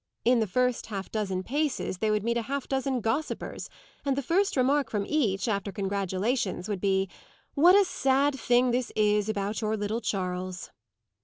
In the first half dozen paces they would meet half a dozen gossipers, and the first remark from each, after congratulations, would be, "What a sad thing this is about your little Charles!"